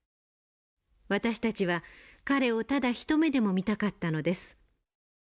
私たちは彼をただ一目でも見たかったのです。